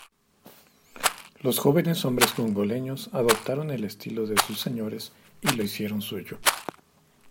Los jóvenes hombres congoleños adoptaron el estilo de sus señores y lo hicieron suyo.